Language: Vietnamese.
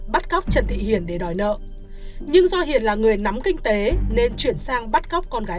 bắt cóc trần thị hiền để đòi nợ nhưng do hiền là người nắm kinh tế nên chuyển sang bắt cóc con gái